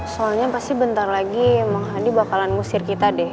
soalnya pasti bentar lagi bang hadi bakalan ngusir kita deh